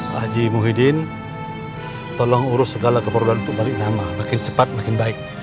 pak haji muhyiddin tolong urus segala keperluan pembalik nama makin cepat makin baik